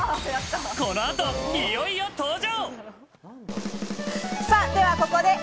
この後、いよいよ登場。